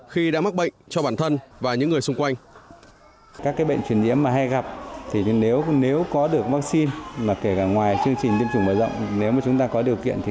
khi đã mắc bệnh cho bản thân và những người xung quanh